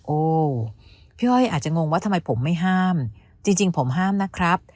โอ้พี่อ้อยอาจจะงงว่าทำไมผมไม่ห้ามจริงผมห้ามนะครับ